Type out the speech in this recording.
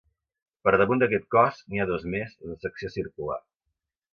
Per damunt d'aquest cos, n'hi ha dos més, de secció circular.